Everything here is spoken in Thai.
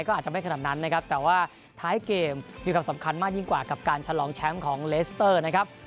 ก็อาจจะไม่ขนาดนั้นนะครับแต่ว่าท้ายเกมมีความสำคัญมากยิ่งกว่ากับการฉลองแชมป์ของเลสเตอร์นะครับ